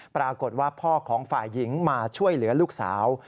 ปรากฏว่าพ่อของฝ่ายหญิงมาช่วยเหลือลูกสาว